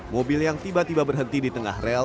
mobil yang tiba tiba berhenti di tengah rel